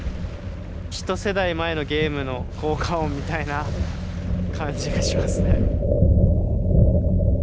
一世代前のゲームの効果音みたいな感じがしますね。